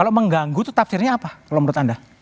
kalau mengganggu itu tafsirnya apa kalau menurut anda